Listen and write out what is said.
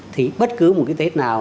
thì bất cứ một cái tết nào